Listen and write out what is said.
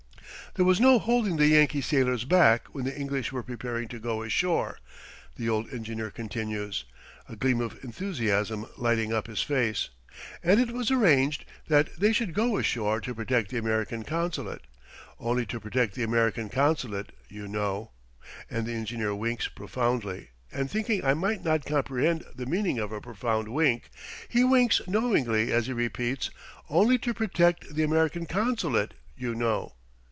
"There was no holding the Yankee sailors back when the English were preparing to go ashore," the old engineer continues, a gleam of enthusiasm lighting up his face, "and it was arranged that they should go ashore to protect the American Consulate only to protect the American Consulate, you know," and the engineer winks profoundly, and thinking I might not comprehend the meaning of a profound wink, he winks knowingly as he repeats, "only to protect the American Consulate, you know."